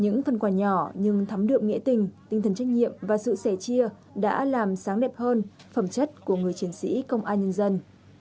những phần quà nhỏ nhưng thấm đượm nghĩa tình tinh thần trách nhiệm và sự sẻ chia đã làm sáng đẹp hơn phẩm chất của người chiến sĩ công an nhân dân